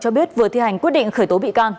cho biết vừa thi hành quyết định khởi tố bị can